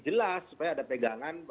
jelas supaya ada pegangan